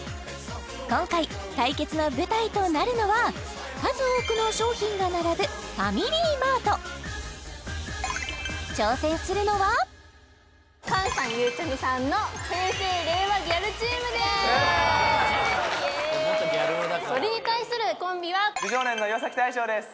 今回対決の舞台となるのは数多くの商品が並ぶファミリーマート挑戦するのは菅さんゆうちゃみさんの平成・令和ギャルチームでーすそれに対するコンビは美少年の岩大昇です